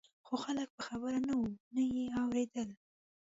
خو خلک په خبره نه وو نه یې اورېدل.